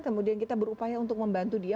kemudian kita berupaya untuk membantu dia